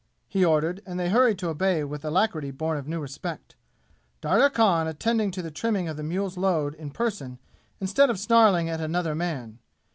he ordered and they hurried to obey with alacrity born of new respect, Darya Khan attending to the trimming of the mule's load in person instead of snarling at another man.